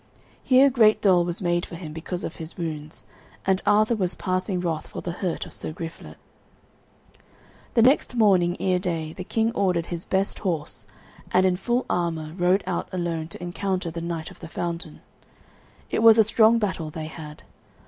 Here great dole was made for him because of his wounds, and Arthur was passing wroth for the hurt of Sir Griflet. The next morning ere day the King ordered his best horse, and in full armour rode out alone to encounter the knight of the fountain. It was a strong battle they had.